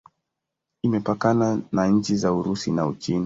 Imepakana na nchi za Urusi na Uchina.